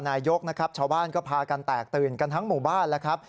นายกนะครับชาวบ้านก็พากันแตกตื่นกันทั้งหมู่บ้านแล้วครับ